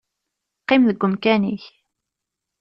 Qqim deg umkan-ik.